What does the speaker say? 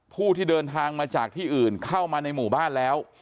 ผู้ที่เดินทางมาจากที่อื่นเข้ามาในหมู่บ้านแล้ว